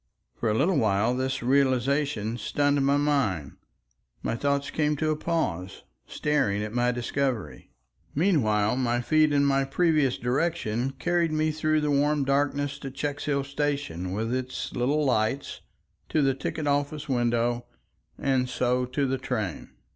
For a little while this realization stunned my mind. My thoughts came to a pause, staring at my discovery. Meanwhile my feet and my previous direction carried me through the warm darkness to Checkshill station with its little lights, to the ticket office window, and so to the train.